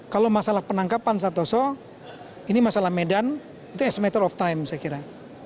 kalau masalah penangkapan satoso ini masalah medan itu is matter of time saya kira